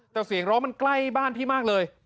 แต่เสียงร้องมันใกล้บ้านพี่มากเลย